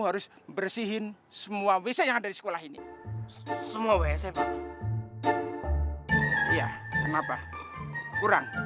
harus bersihin semua wc yang ada di sekolah ini semua wsm iya kenapa kurang